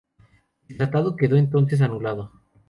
El tratado quedó entonces anulado.